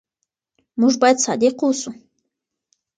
موږ بايد صادق اوسو.